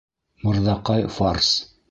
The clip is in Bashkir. Мырҙаҡай фарс.